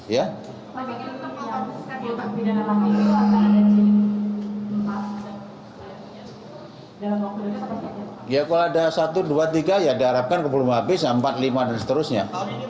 ya kalau ada satu dua tiga ya diharapkan belum habis empat puluh lima dan seterusnya